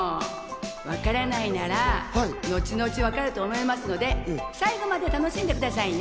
わからないなら、のちのちわかると思いますので、最後まで楽しんでくださいね。